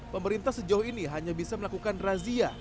pemerintah sejauh ini hanya bisa melakukan razia